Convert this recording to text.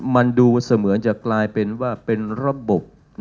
มันดูเสมือนจะกลายเป็นว่าเป็นระบบ